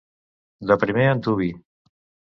De primer antuvi.